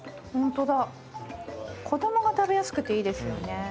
子供が食べやすくていいですよね。